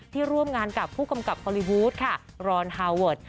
ร่วมงานกับผู้กำกับฮอลลีวูดค่ะรอนฮาเวิร์ด